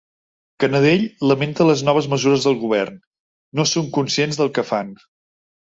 Canadell lamenta les noves mesures del govern: ‘No són conscients del que fan’